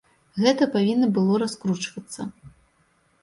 Гэта павінна было раскручвацца.